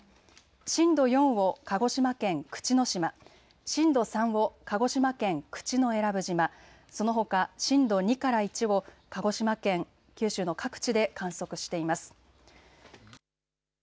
震度４を鹿児島県口之島、震度３を鹿児島県口永良部島、そのほか震度２から１を鹿児島県、九州の各地で観測しています。